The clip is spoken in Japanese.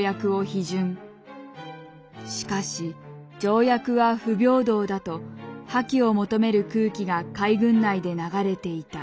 しかし条約は不平等だと破棄を求める空気が海軍内で流れていた。